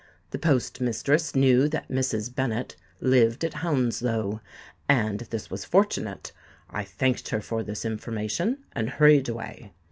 The post mistress knew that Mrs. Bennet lived at Hounslow; and this was fortunate. I thanked her for this information, and hurried away.